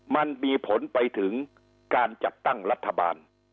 มันมีผลไปถึงการจัดตั้งรัฐบาล